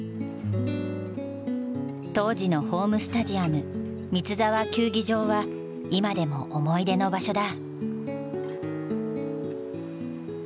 当時のホームスタジアム三ツ沢球技場は今でも思い出の場所だ。